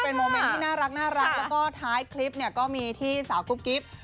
ก็เป็นโมเม้นที่น่ารักแล้วก็ท้ายคลิปก็มีที่สาวกุ๊บกิ๊บ